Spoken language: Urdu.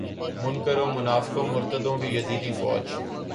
منکروں منافقوں مرتدوں کی یزیدی فوج